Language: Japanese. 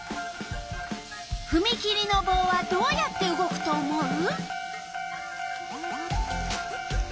ふみ切りのぼうはどうやって動くと思う？